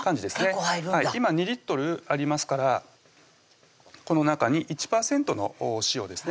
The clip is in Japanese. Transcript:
結構入るんだ今２リットルありますからこの中に１％のお塩ですね